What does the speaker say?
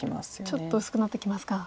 ちょっと薄くなってきますか。